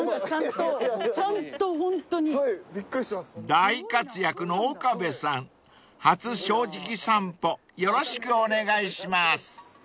［大活躍の岡部さん初『正直さんぽ』よろしくお願いします］